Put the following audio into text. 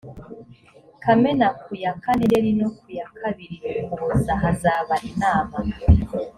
kamena ku yakane nzeri no ku ya kabiri ukuboza hazaba inama